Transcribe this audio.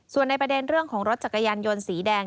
ส่วนในประเด็นเรื่องของรถจักรยานยนต์สีแดง